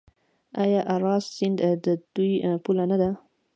آیا اراس سیند د دوی پوله نه ده؟